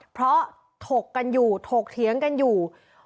เพราะถกกันอยู่ถกเถียงกันอยู่